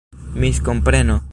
miskompreno